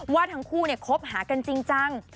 ว่าทั้งคู่คบหากันจริงจัง